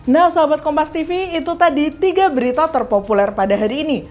nah sahabat kompas tv itu tadi tiga berita terpopuler pada hari ini